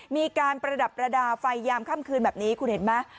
มีการประดับประดาษไฟยามค่ำคืนแบบนี้คุณเห็นไหม